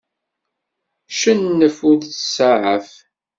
Cennef, ur ttsaɛaf.